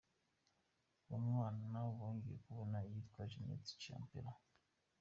Uwo mwana bongeye kubona yitwa Jeannette Chiapello.